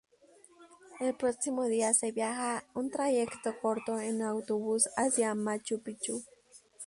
El próximo día se viaja un trayecto corto en autobús hacia Machu Picchu.